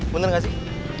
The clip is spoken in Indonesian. bener gak sih